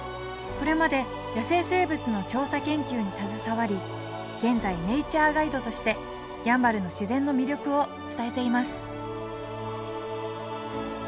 これまで野生生物の調査研究に携わり現在ネイチャーガイドとしてやんばるの自然の魅力を伝えています